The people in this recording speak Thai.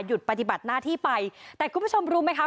ปฏิบัติหน้าที่ไปแต่คุณผู้ชมรู้ไหมคะ